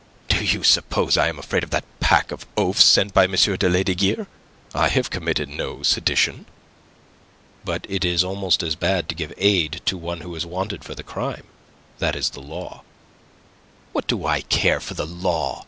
Do you suppose I am afraid of that pack of oafs sent by M. Lesdiguieres? I have committed no sedition." "But it is almost as bad to give aid to one who is wanted for the crime. That is the law." "What do I care for the law?